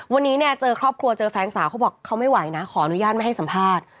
วันนี้เนี่ยเจอครอบครัวเจอแฟนสาวเขาบอกเขาไม่ไหวนะขออนุญาตไม่ให้สัมภาษณ์